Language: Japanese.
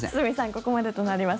ここまでとなります。